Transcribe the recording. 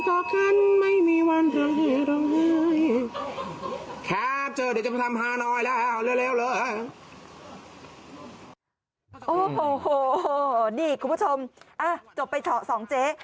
โอ้โหนี่คุณผู้ชมจบไปเฉาะสองเจ๊